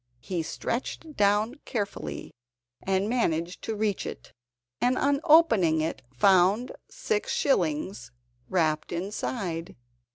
He stretched down carefully and managed to reach it, and on opening it found six shillings wrapped inside.